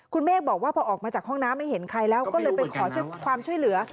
คุณเมฆบอกว่าพอออกมาจากห้องน้ำไม่เห็นใครแล้วก็เลยไปขอความช่วยเหลือ